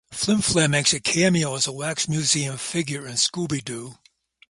Flim Flam makes a cameo as a wax museum figure in Scooby-Doo!